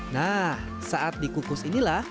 nah saat dikukus inilah